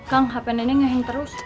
kang hp nenek ngehin terus